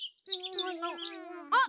あっ！